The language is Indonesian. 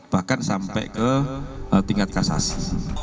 bahkan sampai ke tingkat kasasi